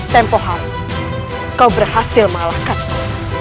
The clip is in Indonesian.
tempoh hari kau berhasil mengalahkanku